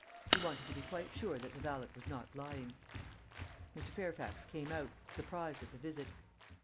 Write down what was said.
He wanted to be quite sure that the valet was not lying. Mr. Fairfax came out, surprised at the visit.